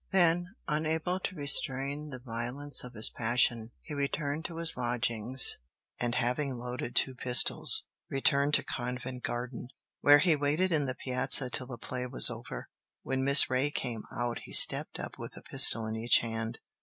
Then, unable to restrain the violence of his passion, he returned to his lodgings, and having loaded two pistols, returned to Covent Garden, where he waited in the piazza till the play was over. When Miss Reay came out he stepped up with a pistol in each hand.